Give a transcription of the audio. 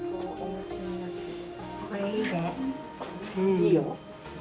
いいよ。